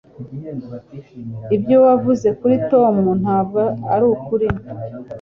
Ibyo wavuze kuri Tom ntabwo arukuri